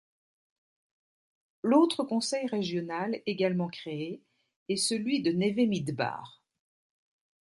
L'autre conseil régional également créé est celui de Neve Midbar.